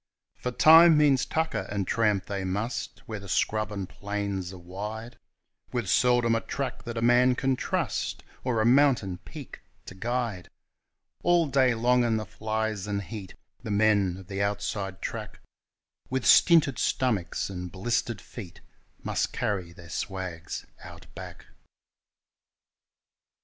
_For time means tucker, and tramp they must, where the plains and scrubs are wide, With seldom a track that a man can trust, or a mountain peak to guide; All day long in the flies and heat the men of the outside track With stinted stomachs and blistered feet must carry their swags Out Back.